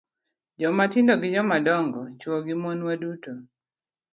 Jomatindo gi jomadongo, chwo gi mon, waduto